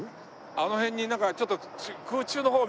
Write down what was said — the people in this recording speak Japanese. あの辺になんかちょっと。